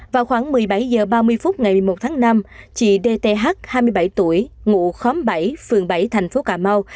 vào khoảng một mươi bảy h ba mươi phút ngày một mươi một tháng năm chị dth hai mươi bảy tuổi ngụ khóm bảy phường bảy thành phố cà mau